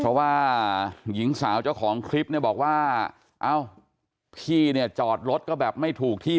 เพราะว่าหญิงสาวเจ้าของคลิปเนี่ยบอกว่าเอ้าพี่เนี่ยจอดรถก็แบบไม่ถูกที่